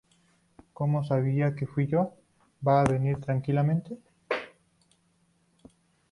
¿ Cómo sabía que fui yo? ¿ va a venir tranquilamente?